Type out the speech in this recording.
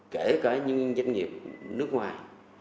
kể cả những doanh nghiệp nước ngoài